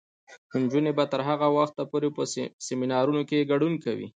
نجونې به تر هغه وخته پورې په سیمینارونو کې ګډون کوي.